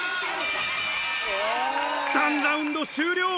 ３ラウンド終了！